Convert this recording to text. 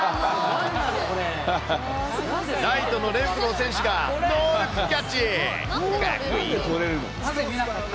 ライトのレンフロー選手がノールックキャッチ。